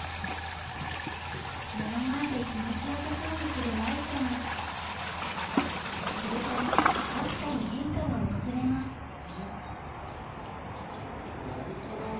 目の前で気持ちよさそうにする雷ちゃんすると明日香に変化が訪れますなるほどね。